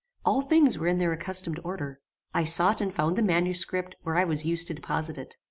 All things were in their accustomed order. I sought and found the manuscript where I was used to deposit it.